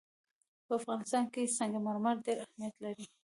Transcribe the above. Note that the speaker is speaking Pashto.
په افغانستان کې سنگ مرمر ډېر اهمیت لري.